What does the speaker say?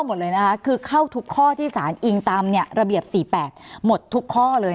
หมดเลยนะคะคือเข้าทุกข้อที่ศาลอิงตำเนี่ยระเบียบสี่แปดหมดทุกข้อเลย